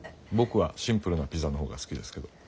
僕はシンプルなピザの方が好きですけど。